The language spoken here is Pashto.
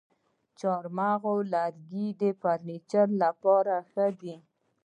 د چهارمغز لرګی د فرنیچر لپاره ښه دی.